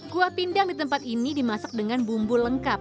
kuah pindang di tempat ini dimasak dengan bumbu lengkap